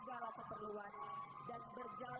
dan sampailah kita